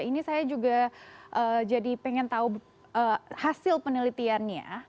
ini saya juga jadi pengen tahu hasil penelitiannya